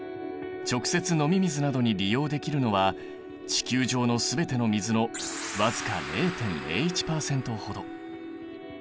直接飲み水などに利用できるのは地球上の全ての水の僅か０．０１％ほど。